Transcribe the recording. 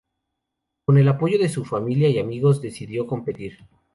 Con el apoyo de su familia y amigos, decidió competir.